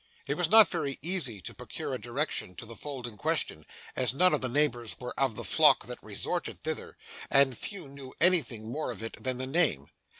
It was not very easy to procure a direction to the fold in question, as none of the neighbours were of the flock that resorted thither, and few knew anything more of it than the name.